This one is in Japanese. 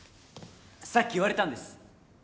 さっき言われたんです